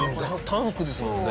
タンクですもんね。